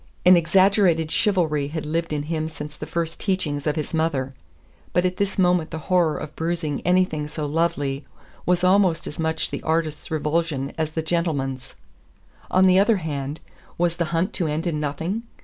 An exaggerated chivalry had lived in him since the first teachings of his mother; but at this moment the horror of bruising anything so lovely was almost as much the artist's revulsion as the gentleman's. On the other hand, was the hunt to end in nothing?